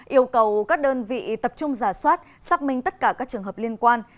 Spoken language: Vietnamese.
yêu cầu các đơn vị tập trung giả soát xác minh tất cả các trường hợp liên quan